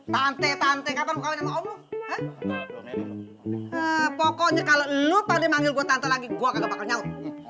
tante tante kapan mau ke awal sama om lo